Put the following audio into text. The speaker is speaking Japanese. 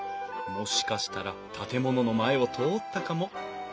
もしかしたら建物の前を通ったかも。